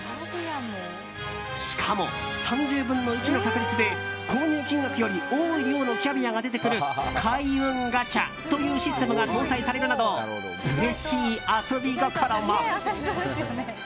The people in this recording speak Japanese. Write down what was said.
しかも３０分の１の確率で購入金額より多い量のキャビアが出てくる開運ガチャというシステムが搭載されるなどうれしい遊び心も。